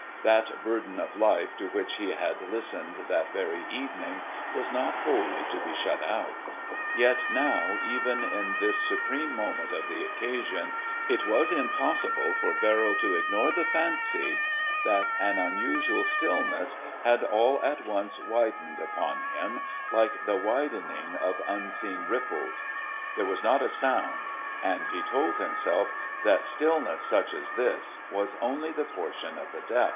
That bourdon of life to which he had listened that very evening was not wholly to be shut out, yet now, even in this supreme moment of the occasion it was impossible for Verrill to ignore the fancy that an unusual stillness had all at once widened about him, like the widening of unseen ripples. There was not a sound, and he told himself that stillness such as this was only the portion of the deaf.